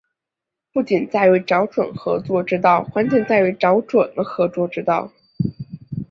不仅在于找准合作之道，关键在于找准了合作之道